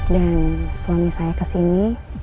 dan suami saya kesini